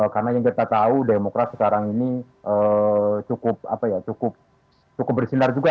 karena yang kita tahu demokrasi sekarang ini cukup bersinar juga